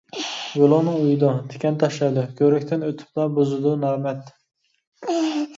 يولۇڭنى ئويىدۇ، تىكەن تاشلايدۇ، كۆۋرۈكتىن ئۆتۈپلا بۇزىدۇ نامەرد.